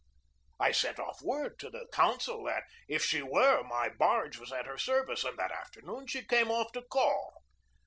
I sent off word to the consul that, if she were, my barge was at her service; and that afternoon she came off to call.